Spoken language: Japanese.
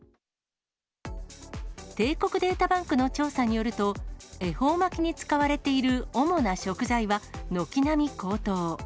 帝国データバンクの調査によると、恵方巻に使われている主な食材は、軒並み高騰。